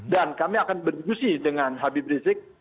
dan kami akan berdiskusi dengan habib rizik